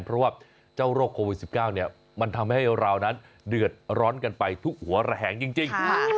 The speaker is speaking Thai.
เพราะว่าเจ้าโรคโควิด๑๙มันทำให้เรานั้นเดือดร้อนกันไปทุกหัวระแหงจริง